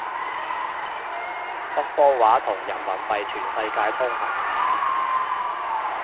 北方話同人民幣全世界通行